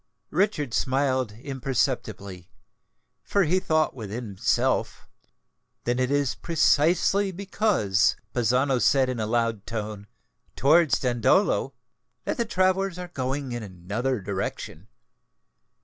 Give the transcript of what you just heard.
Richard smiled imperceptibly; for he thought within himself, "Then it is precisely because Bazzano said in a loud tone, 'Towards Dandolo,' that the travellers are going in another direction."